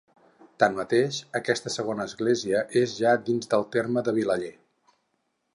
Tanmateix, aquesta segona església és ja dins del terme de Vilaller.